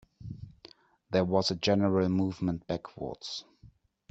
There was a general movement backwards.